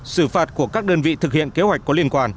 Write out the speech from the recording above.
xử phạt của các đơn vị thực hiện kế hoạch có liên quan